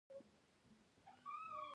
زما له قلم او کلام سره یې څویمه ده.